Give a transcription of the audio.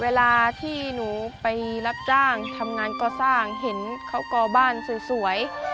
เวลาที่หนูไปรับจ้างทำงานก่อสร้างเห็นเขาก่อบ้านสวย